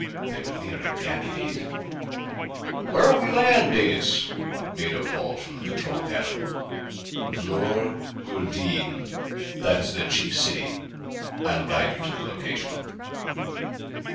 They were nearing Ganymede. "Where'll we land, Detis?" Mado called from the control cabin. "Vlor urdin. That is their chief city. I'll guide you to the location."